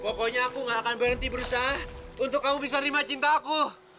pokoknya aku gak akan berhenti berusaha untuk kamu bisa terima cinta aku